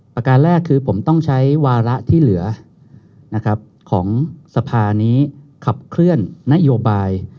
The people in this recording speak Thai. การแรกคือผมต้องใช้วาระที่เหลือของสภานี้ขับเคลื่อนนโยบาย